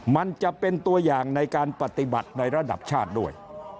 มันจะเป็นตัวอย่างในการปฏิบัติในระดับชาติด้วย